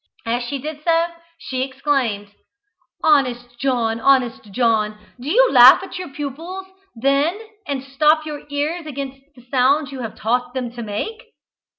As she did so, she exclaimed "Honest John, Honest John, do you laugh at your pupils, then, and stop your ears against the sounds you yourself have taught them to make?"